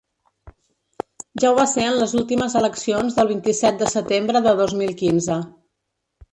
Ja ho va ser en les últimes eleccions del vint-i-set de setembre de dos mil quinze.